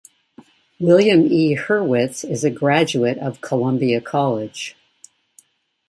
William E. Hurwitz is a graduate of Columbia College.